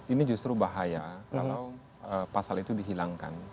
ini justru bahaya kalau pasal itu dihilangkan